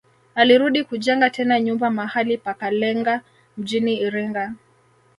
Alirudi kujenga tena nyumba mahali pa Kalenga mjini Iringa